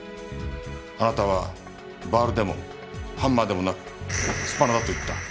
あなたはバールでもハンマーでもなくスパナだと言った。